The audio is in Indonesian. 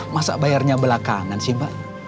masa bayarnya belakangan sih mbak